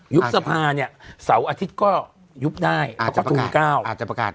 ยุบสภาเนี้ยเสาร์อาทิตย์ก็ยุบได้อาจจะประกาศอาจจะประกาศ